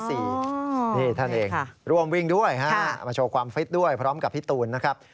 นี่ท่านเองร่วมวิ่งด้วยมาโชว์ความฟิตด้วยพร้อมกับพี่ตูนนะครับ